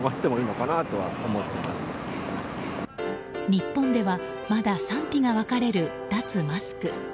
日本ではまだ賛否が分かれる脱マスク。